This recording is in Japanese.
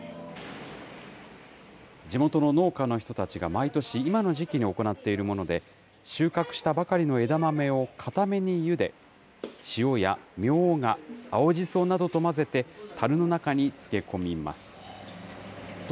地元の農家の人たちが毎年、今の時期に行っているもので、収穫したばかりの枝豆を硬めにゆで、塩やみょうが、青じそなどと混ぜて、たるの中に漬け込みます。